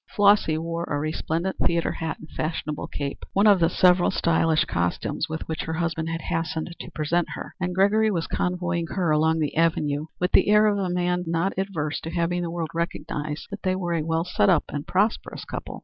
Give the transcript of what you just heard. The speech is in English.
Flossy wore a resplendent theatre hat and fashionable cape one of the several stylish costumes with which her husband had hastened to present her, and Gregory was convoying her along the Avenue with the air of a man not averse to have the world recognize that they were a well set up and prosperous couple.